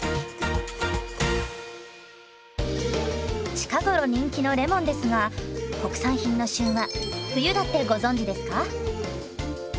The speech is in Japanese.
近頃人気のレモンですが国産品の旬は冬だってご存じですか？